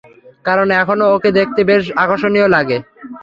কারণ, এখনও ওকে দেখতে বেশ আকর্ষনীয় লাগে।